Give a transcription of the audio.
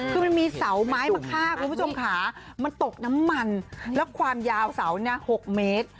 คือมันมีเสาไม้มาฆ่าคุณผู้ชมค่ะมันตกน้ำมันแล้วความยาวเสาเนี่ย๖เมตร